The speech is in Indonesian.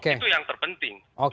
itu yang terpenting